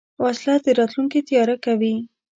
وسله د راتلونکي تیاره کوي